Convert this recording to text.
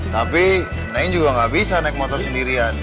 tapi nain juga nggak bisa naik motor sendirian